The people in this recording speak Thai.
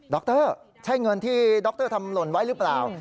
รใช่เงินที่ดรทำหล่นไว้หรือเปล่า